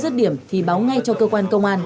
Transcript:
rứt điểm thì báo ngay cho cơ quan công an